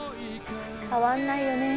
変わんないよねえ